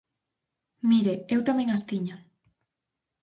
Mire, eu tamén as tiña.